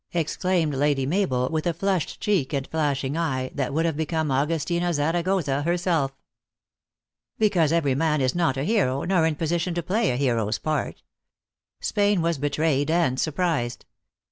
exclaimed Lady Mabel, with a flushed cheek and flashing eye, that would have become Augustina Zaragoza herself. " Because every man is not a hero, nor in a posi tion to play a hero s part. Spain was betrayed and surprised.